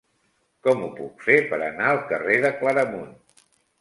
Com ho puc fer per anar al carrer de Claramunt?